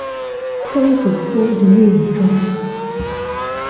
曾祖父李允中。